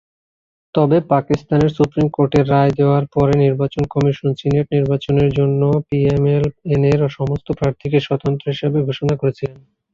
তবে পাকিস্তানের সুপ্রিম কোর্টের রায় দেওয়ার পরে নির্বাচন কমিশন সিনেট নির্বাচনের জন্য পিএমএল-এনের সমস্ত প্রার্থীকে স্বতন্ত্র হিসাবে ঘোষণা করেছিল।